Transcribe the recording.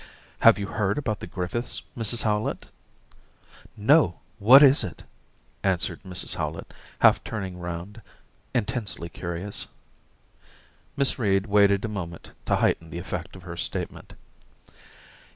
' Have you heard about the Griffiths, Mrs Howlett?' * No !... What is it ?' answered Mrs Howlett, half turning round, intensely curious. Miss Reed waited a moment to heighten the effect of her statement.